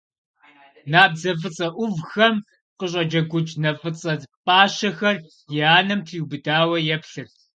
Набдзэ фӀыцӀэ Ӏувхэм къыщӀэджэгукӀ нэ фӀыцӀэ пӀащэхэр и анэм триубыдауэ еплъырт.